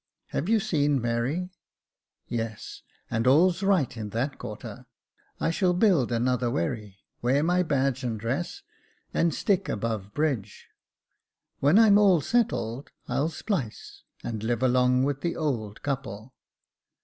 " Have you seen Mary ?"" Yes, and all's right in that quarter. I shall build another wherry, wear my badge and dress, and stick above bridge. When I'm all settled, I'll splice, and live along with the old couple."